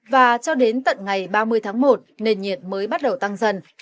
và cho đến tận ngày ba mươi tháng một nền nhiệt mới bắt đầu tăng dần